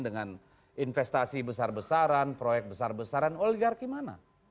dengan investasi besar besaran proyek besar besaran oligarki mana